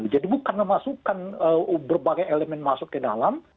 jadi bukan memasukkan berbagai elemen masuk ke dalam